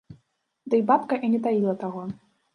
Дый бабка і не таіла таго.